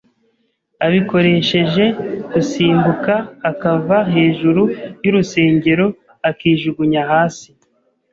abikoresheje gusimbuka akava hejuru y’urusengero akijugunya hasi.